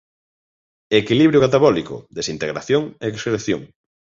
Equilibrio catabólico: desintegración e excreción.